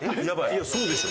いやそうでしょ。